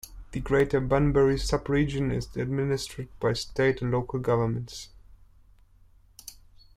The Greater Bunbury sub-region is administered by State and local governments.